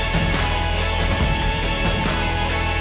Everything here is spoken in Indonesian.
untuk melihat bagaimana jadinya tahun ini